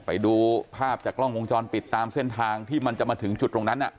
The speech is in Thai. ไปดูภาพจากกล้องวงจรปิดตามเส้นทางที่มันจะมาถึงจุดตรงนั้น